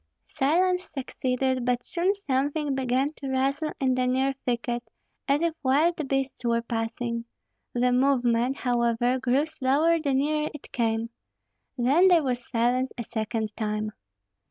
Silence succeeded; but soon something began to rustle in the near thicket, as if wild beasts were passing. The movement, however, grew slower the nearer it came. Then there was silence a second time.